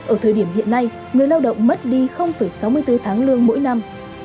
ở thời điểm hiện nay người lao động mất đi sáu mươi bốn tháng lương mỗi năm